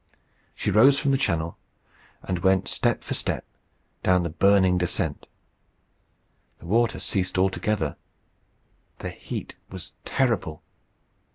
She rose from the channel, and went step for step down the burning descent. The water ceased altogether. The heat was terrible.